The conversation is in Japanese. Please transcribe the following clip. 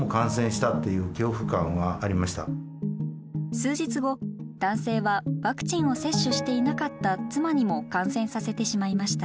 数日後男性はワクチンを接種していなかった妻にも感染させてしまいました。